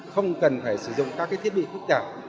không cần phải sử dụng các thiết bị phức tạp